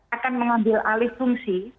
akan mengambil alih fungsi